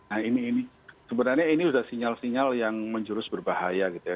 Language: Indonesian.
nah ini sebenarnya ini sudah sinyal sinyal yang menjurus berbahaya gitu ya